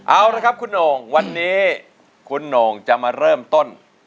เอาละครับคุณโหงวันนี้คุณโหน่งจะมาเริ่มต้น